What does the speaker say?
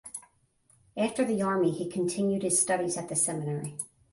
After the army he continued his studies at the seminary.